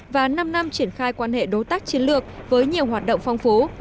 và năm năm triển khai quan hệ đối tác chiến lược với nhiều hoạt động phong phú